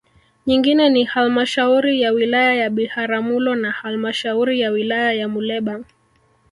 Nyingine ni Halmashauri ya wilaya ya Biharamulo na halmashauri ya Wilaya ya Muleba